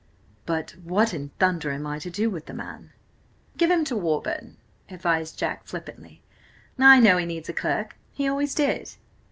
"But what in thunder am I to do with the man?" "Give him to Warburton," advised Jack flippantly. "I know he needs a clerk–he always did!"